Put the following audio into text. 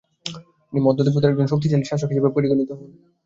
তিনি মধ্য তিব্বতের একজন শক্তিশালী শাসক হিসেবে পরিগণিত হন।